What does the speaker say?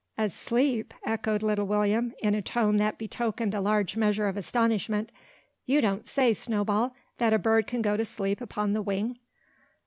"Asleep!" echoed little William, in a tone that betokened a large measure of astonishment. "You don't say, Snowball, that a bird can go to sleep upon the wing?"